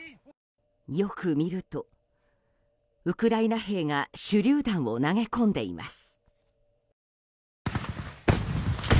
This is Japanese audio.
よく見ると、ウクライナ兵が手りゅう弾を投げ込んでいます。